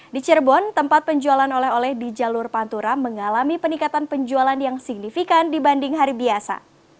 di cirebon tempat penjualan oleh oleh di jalur pantura mengalami peningkatan penjualan yang signifikan dibanding hari biasa